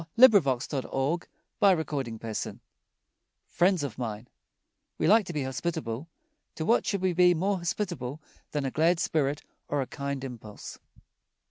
[Illustration: ROBERT WILLIAM SERVICE] FRIENDS OF MINE We like to be hospitable. To what should we be more hospitable than a glad spirit or a kind impulse?